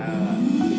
aku mau pergi